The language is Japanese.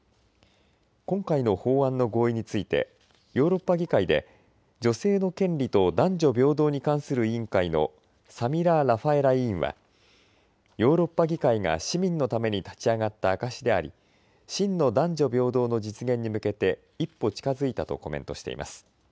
今回の法案の合意についてヨーロッパ議会で女性の権利と男女平等に関する委員会のサミラ・ラファエラ委員はヨーロッパ議会が市民のために立ち上がった証しであり真の男女平等の実現に向けて一歩近づいたとコメントしています。